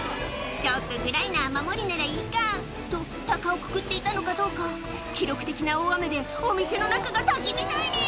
ちょっとぐらいの雨漏りならいいかと、たかをくくっていたのかどうか、記録的な大雨のせいで滝みたいに。